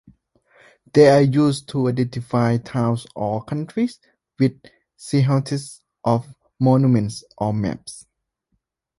They are used to identify towns or countries with silhouettes of monuments or maps.